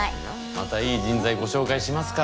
またいい人材ご紹介しますから。